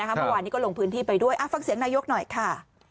เมื่อวานนี้ก็ลงพื้นที่ไปด้วยฟังเสียงนายกหน่อยค่ะ